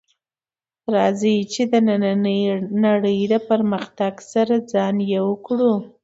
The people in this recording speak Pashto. راځئ چې د نننۍ نړۍ د پرمختګ سره ځان یو کړو